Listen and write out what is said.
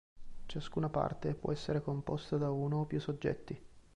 Ciascuna parte può essere composta da uno o più soggetti.